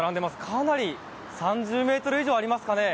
かなり３０ｍ以上ありますかね。